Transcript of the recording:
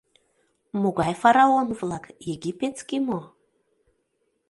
— Могай фараон-влак, египетский мо?